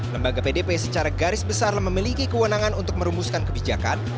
lembaga pdp secara garis besar memiliki kewenangan untuk merumuskan kebijakan